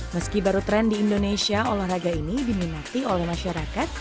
meski baru tren di indonesia olahraga ini diminati oleh masyarakat